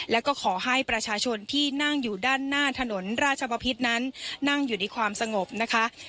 แล้วก็ขอให้ประชาชนที่นั่งอยู่ด้านหน้าถนนราชบพิษนั้นนั่งอยู่ในความสงบนะคะ